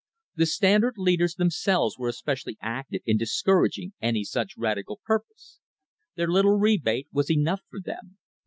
The Standard leaders themselves were especially active in discourag ing any such radical purpose. Their little rebate was enough for them.